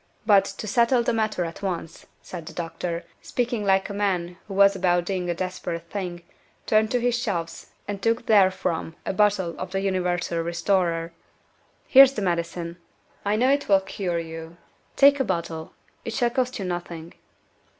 But, to settle the matter at once," and the doctor, speaking like a man who was about doing a desperate thing, turned to his shelves and took therefrom a bottle of the Universal Restorer "here's the medicine. I know it will cure you. Take a bottle. It shall cost you nothing."